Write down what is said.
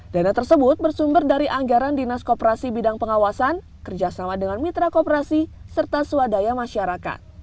dana tersebut bersumber dari anggaran dinas koperasi bidang pengawasan kerjasama dengan mitra kooperasi serta swadaya masyarakat